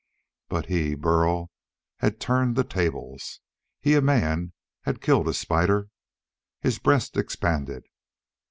But he, Burl, had turned the tables. He, a man, had killed a spider! His breast expanded.